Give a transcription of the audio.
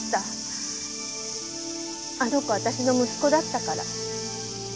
あの子私の息子だったから。